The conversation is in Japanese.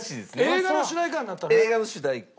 邦画の主題歌ね？